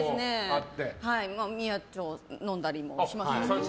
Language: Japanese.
宮治と飲んだりもしますね。